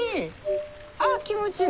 あっ気持ちいい！